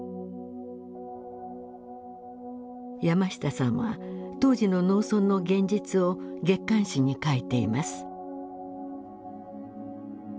山下さんは当時の農村の現実を月刊誌に書いています。